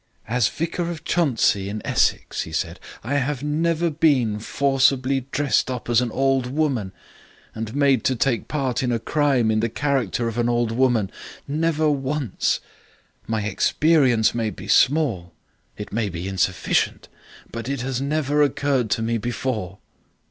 "As Vicar of Chuntsey, in Essex," he said, "I have never been forcibly dressed up as an old woman and made to take part in a crime in the character of an old woman. Never once. My experience may be small. It may be insufficient. But it has never occurred to me before."